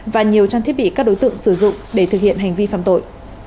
và nhiều trang thiết bị các đối tượng sử dụng để thực hiện hành vi phạm tội